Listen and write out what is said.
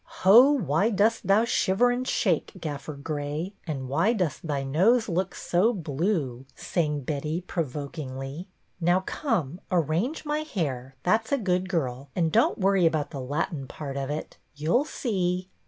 "' Ho, why dost thou shiver and shake, Gaffer Grey, And why does thy nose look so blue ?'" sang Betty, provokingly. " Now come, ar range my hair, that 's a good girl, and don't worry about the Latin part of it. You 'll see."